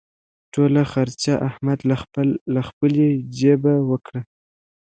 ټوله خرچه احمد له خپلې جېبه وکړه.